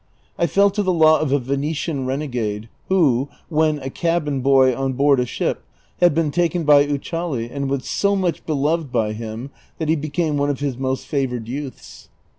I fell to the lot of a Venetian renegade; who, when a cabin boy on board a ship, had been taken by Uchali and was so much beloved by him that he became one of his most favored youths.